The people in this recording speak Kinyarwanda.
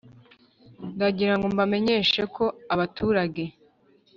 Ndagirango ngo mbamenyeshe ko abaturage